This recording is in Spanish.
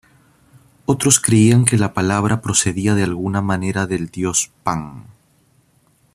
Otros creían que la palabra procedía de alguna manera del dios Pan.